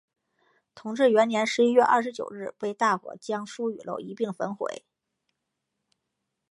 同治元年十一月二十九日被大火将书与楼一并焚毁。